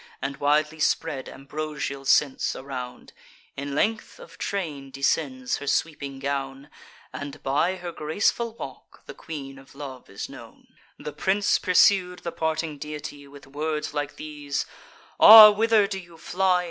And widely spread ambrosial scents around: In length of train descends her sweeping gown; And, by her graceful walk, the Queen of Love is known. The prince pursued the parting deity With words like these: "Ah! whither do you fly?